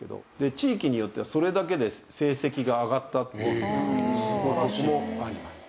地域によってはそれだけで成績が上がったっていう報告もあります。